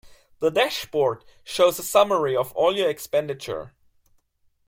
The dashboard shows a summary of all your expenditure.